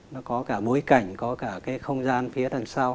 nó có cả bối cảnh có cả cái không gian phía đằng sau